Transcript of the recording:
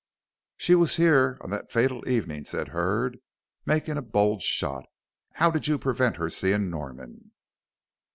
She was here on that fatal evening," said Hurd, making a bold shot, "how did you prevent her seeing Norman?"